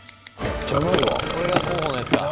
これが候補のやつか何？